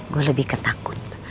gue lebih ketakut